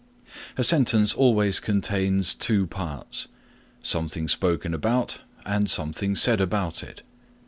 A sentence always contains two parts, something spoken about and something said about it.